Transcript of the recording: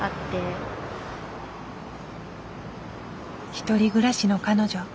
１人暮らしの彼女。